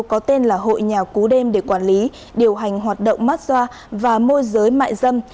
có tên là hội nhà cú đêm để quản lý điều hành hoạt động massa và môi giới mại dâm